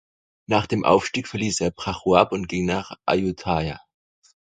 Nach dem Aufstieg verließ er Prachuap und ging nach Ayutthaya.